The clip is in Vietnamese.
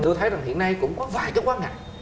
tôi thấy rằng hiện nay cũng có vài cái quan ngại